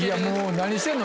何してんの？